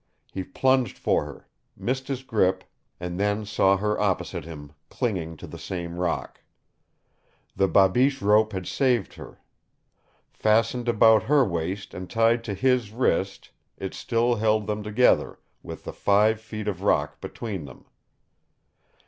He plunged for her, missed his grip, and then saw her opposite him, clinging to the same rock. The babiche rope had saved her. Fastened about her waist and tied to his wrist, it still held them together with the five feet of rock between them.